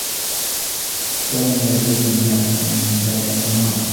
توم لديه مناعة من ذلك المرض.